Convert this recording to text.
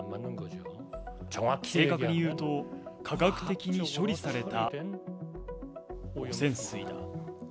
正確に言うと科学的に処理された汚染水だ。